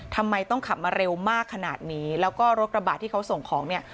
ทำไมต้องขับมาเร็วมากขนาดนี้แล้วก็รถกระบะที่เขาส่งของเนี่ย